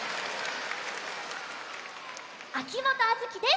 秋元杏月です。